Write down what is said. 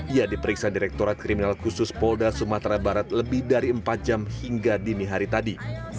ia diperiksa direktorat kriminal khusus polda sumatera barat lebih dari empat jam hingga dini hari tadi